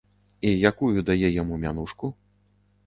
І якую дае яму мянушку?